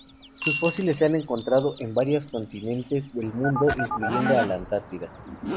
Sus fósiles se han hallado en varias continentes del mundo incluyendo a la Antártida.